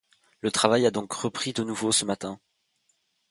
Le travail a donc repris de nouveau ce matin.